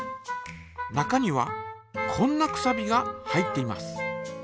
中にはこんなくさびが入っています。